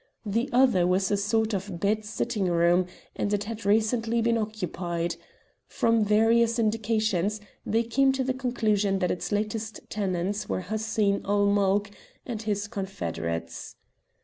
The other was a sort of bed sitting room, and it had recently been occupied. From various indications they came to the conclusion that its latest tenants were Hussein ul Mulk and his confederates.